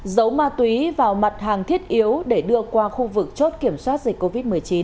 giấu ma túy vào mặt hàng thiết yếu để đưa qua khu vực chốt kiểm soát dịch covid một mươi chín